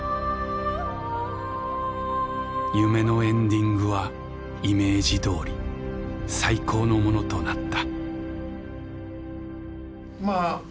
「夢のエンディングはイメージ通り最高のものとなった」。